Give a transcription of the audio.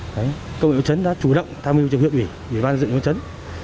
công an huyện văn chấn đã chủ động tham niên huyện huyện huyện ban dựng văn chấn